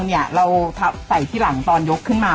เราใส่ที่หลังตอนยกขึ้นมา